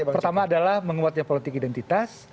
pertama adalah menguatnya politik identitas